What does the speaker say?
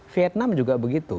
vietnam juga begitu